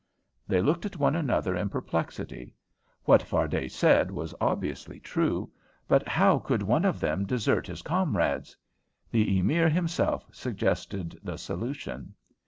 They looked at one another in perplexity. What Fardet said was obviously true, but how could one of them desert his comrades? The Emir himself suggested the solution.